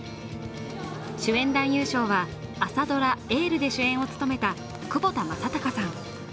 主演男優賞は、朝ドラ「エール」で主演を務めた窪田正孝さん。